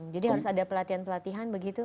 jadi harus ada pelatihan pelatihan begitu